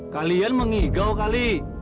kalian mengigau kali